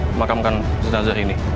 memakamkan jenazah ini